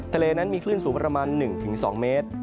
ทะเลนั้นมีคลื่นสูงประมาณ๑๒เมตร